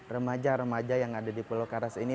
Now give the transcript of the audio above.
remaja remaja yang ada di pulau karas ini